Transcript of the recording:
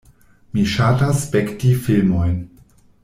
Mi ŝatas spekti filmojn.